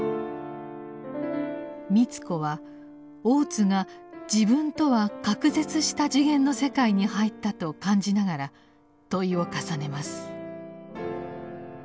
美津子は大津が自分とは「隔絶した次元の世界に入った」と感じながら問いを重ねます。